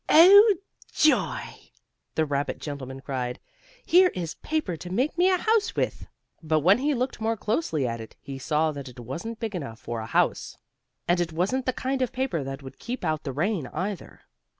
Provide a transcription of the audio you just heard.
"Oh, joy!" the rabbit gentleman cried. "Here is paper to make me a house with." But when he looked more closely at it, he saw that it wasn't big enough for a house, and it wasn't the kind of paper that would keep out the rain, either.